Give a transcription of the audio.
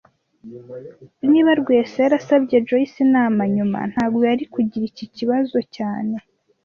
Niba Rwesa yarasabye Joyce inama nyuma, ntago yari kugira iki kibazo cyane